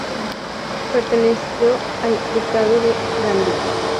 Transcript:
Perteneció al ducado de Gandía.